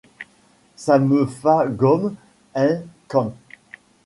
Ça me fa gomme ein cant.